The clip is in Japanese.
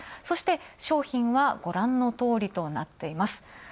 そして、商品は、ご覧のとおりとなっています。